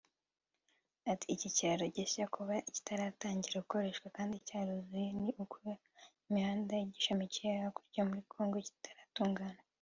Ati ”Iki kiraro gishya kuba kitaratangira gukoreshwa kandi cyaruzuye ni uko hari imihanda igishamikiyeho hakurya muri congo itaratunganywa